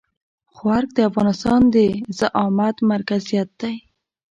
خو ارګ د افغانستان د زعامت مرکزيت دی.